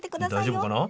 大丈夫かな？